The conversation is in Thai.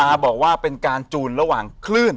อ่าบอกว่าเป็นการจูลระหว่าง